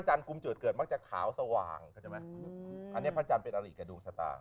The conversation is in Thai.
จุดเกิดมากจากขาวสว่างใช่ไหมอืมอันเนี้ยพันธ์จำเป็นอะไรกับดวงสตาร์